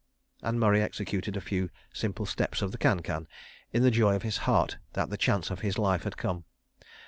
.." and Murray executed a few simple steps of the can can, in the joy of his heart that the chance of his life had come.